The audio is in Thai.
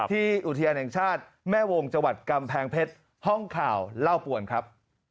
ที่อุทยานแห่งชาติแม่วงจังหวัดกำแพงเพชรห้องข่าวเล่าป่วนครับ